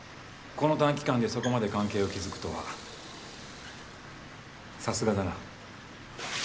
この短期間でそこまで関係を築くとは流石だな。